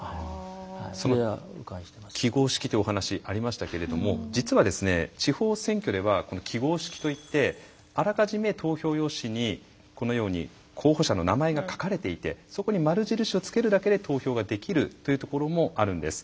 その記号式というお話ありましたけれども実は地方選挙では記号式といってあらかじめ投票用紙にこのように候補者の名前が書かれていてそこに丸印をつけるだけで投票ができるというところもあるんです。